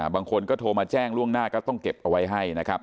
บางคนก็โทรมาแจ้งล่วงหน้าก็ต้องเก็บเอาไว้ให้นะครับ